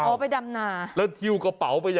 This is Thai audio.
แบบนี้คือแบบนี้คือแบบนี้คือแบบนี้คือ